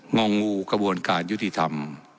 งองวูกกรภิการยุทธิธรรม